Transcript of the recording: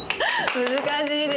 難しいです。